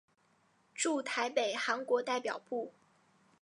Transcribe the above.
驻台北韩国代表部。